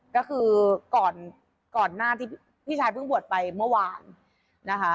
ก็คือก่อนก่อนหน้าที่พี่ชายเพิ่งบวชไปเมื่อวานนะคะ